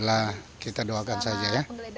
lah kita doakan saja ya